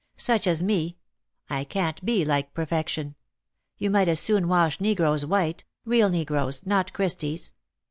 Such as me — I — can't be like perfection. You might as soon wash negroes white — real negroes, not Christy's.